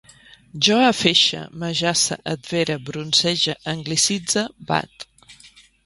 Jo afeixe, m'ajace, advere, bronzege, anglicitze, bat